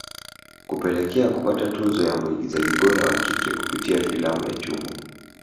Kupelekea kupata tuzo ya mwigizaji bora wa kike kupitia filamu ya Chumo